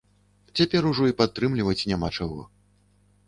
Цяпер ужо і падтрымліваць няма чаго.